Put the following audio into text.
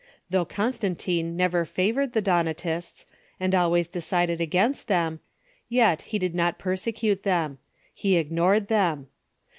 Though Con stantine never favored the Donatists, and always decided against them, yet he did not persecute them. He ignored them.